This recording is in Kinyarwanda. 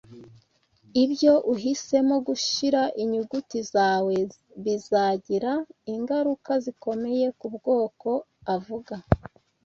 Ibyo uhisemo gushira inyuguti zawe bizagira ingaruka zikomeye kubwoko uvuga